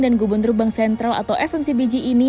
dan gubernur bank sentral atau fmcbg ini